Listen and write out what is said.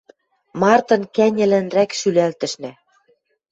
Мартын кӓньӹлӹнрӓк шӱлӓлтӹшнӓ.